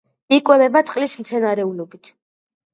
იკვებება წყლის მცენარეულობით.